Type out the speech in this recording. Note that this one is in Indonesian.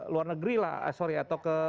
luar negeri atau ke